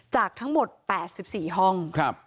จากทั้งหมด๘๔ห้อง